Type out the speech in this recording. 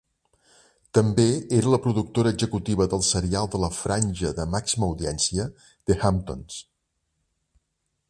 També era la productora executiva del serial de la franja de màxima audiència The Hamptons.